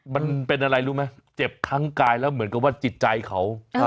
มันเป็นอะไรรู้ไหมเจ็บทั้งกายแล้วเหมือนกับว่าจิตใจเขา